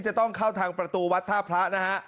จะต้องเข้าทางประตูวัดท่าพระนะฮะ